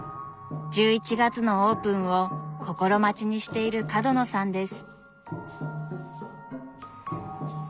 １１月のオープンを心待ちにしている角野さんです。